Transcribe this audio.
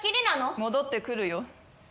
戻ってくるよ。